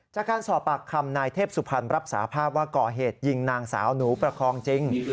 จากการสอบปากคำนายเทพสุพรรณรับสาภาพว่าก่อเหตุยิงนางสาวหนูประคองจริง